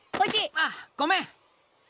ああごめん。